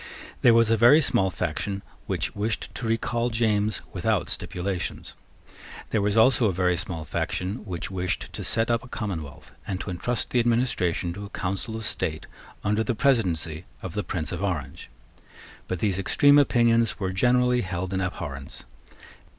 There was a very small faction which wished to recall James without stipulations. There was also a very small faction which wished to set up a commonwealth, and to entrust the administration to a council of state under the presidency of the Prince of Orange. But these extreme opinions were generally held in abhorrence.